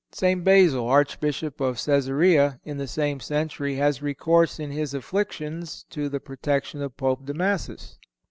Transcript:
St. Basil, Archbishop of Cæsarea, in the same century has recourse in his afflictions to the protection of Pope Damasus.